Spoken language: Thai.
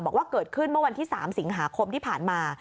บอกว่าเกิดขึ้นเมื่อวันที่๓สิงหาคมที่ผ่านมา